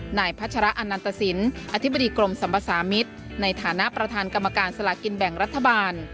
นายพัชระอนันตสินอธิบดีกรมสรรพสามิตรในฐานะประธานกรรมการสลากินแบ่งรัฐบาล